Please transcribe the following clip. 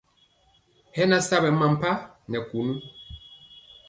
Hɛ na sa ɓɛ mampa nɛ kunu.